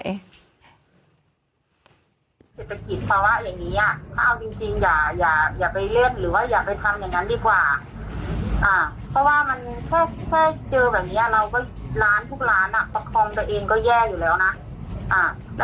อ่ะเพราะว่ามันแค่แค่เจอแบบเนี้ยเราก็ร้านทุกร้านอ่ะประคองตัวเองก็แย่อยู่แล้วน่ะ